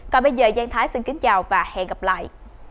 còn bây giờ giang thái xin kính chào và hẹn gặp lại